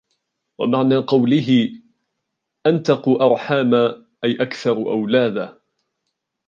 وَمَعْنَى قَوْلِهِ أَنْتَقُ أَرْحَامًا أَيْ أَكْثَرُ أَوْلَادًا